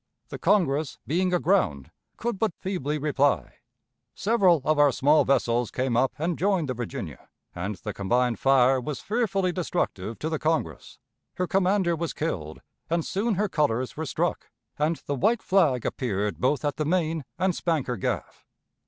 The Congress, being aground, could but feebly reply. Several of our small vessels came up and joined the Virginia, and the combined fire was fearfully destructive to the Congress. Her commander was killed, and soon her colors were struck, and the white flag appeared both at the main and spanker gaff.